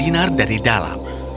dinar dari dalam